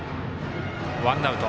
ワンアウト。